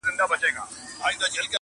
د نغري غاړو ته هواري دوې کمبلي زړې؛